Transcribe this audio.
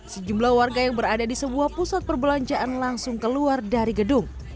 sejumlah warga yang berada di sebuah pusat perbelanjaan langsung keluar dari gedung